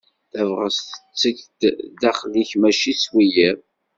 Tabɣest tettek-d s daxel-ik mačči s wiyiḍ.